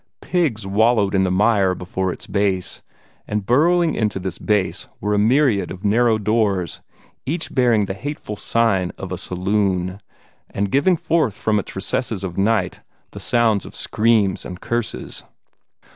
Pigs wallowed in the mire before its base, and burrowing into this base were a myriad of narrow doors, each bearing the hateful sign of a saloon, and giving forth from its recesses of night the sounds of screams and curses.